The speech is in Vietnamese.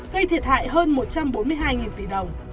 gây thiệt hại hơn một trăm bốn mươi hai tỷ đồng